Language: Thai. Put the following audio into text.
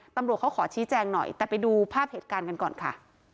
ตำรวจเขาขอชี้แจงหน่อยแต่ไปดูภาพเหตุการณ์กันก่อนค่ะ